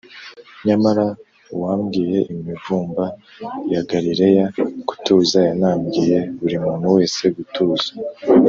nyamara, uwabwiye imivumba y’i galileya gutuza yanabwiye buri muntu wese gutuza